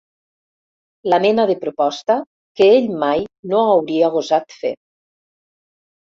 La mena de proposta que ell mai no hauria gosat fer.